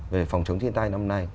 về phòng chống thiên tai năm nay